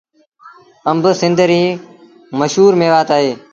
آݩب سنڌ ريٚ مشهور ميوآت اهي۔